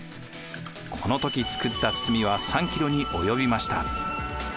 この時作った堤は３キロに及びました。